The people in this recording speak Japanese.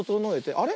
あれ？